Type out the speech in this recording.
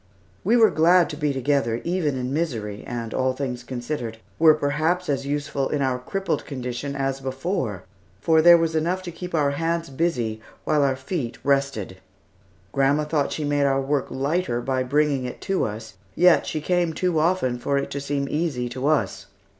We were glad to be together, even in misery, and all things considered, were perhaps as useful in our crippled condition as before, for there was enough to keep our hands busy while our feet rested. Grandma thought she made our work lighter by bringing it to us, yet she came too often for it to seem easy to us.